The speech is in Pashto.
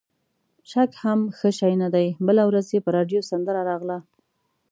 شک هم ښه شی نه دی، بله ورځ یې په راډیو سندره راغله.